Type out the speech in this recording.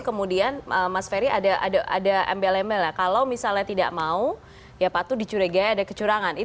kemudian mas ferry ada embel embel ya kalau misalnya tidak mau ya patut dicurigai ada kecurangan